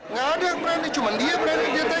nggak ada yang berani cuma dia berani dia tekun